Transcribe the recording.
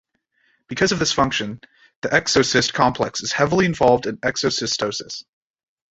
Because of this function, the exocyst complex is heavily involved in exocytosis.